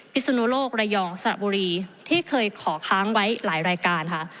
สุนุโลกระยองสระบุรีที่เคยขอค้างไว้หลายรายการค่ะ